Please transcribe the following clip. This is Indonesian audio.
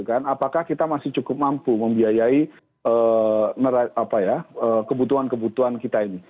apakah kita masih cukup mampu membiayai kebutuhan kebutuhan kita ini